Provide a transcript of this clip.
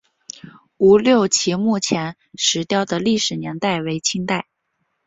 吴六奇墓前石雕的历史年代为清代。